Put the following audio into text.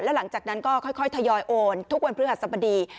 หลังจากนั้นก็ค่อยทยอยโอนทุกวันพฤหัสบดี